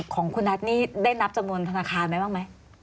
ของคุณนัทนี่ได้นับจำนวนธนาคารไหมบ้างไหม